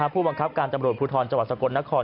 ผู้บังคับการตำรวจภูทรจังหวัดสกลนคร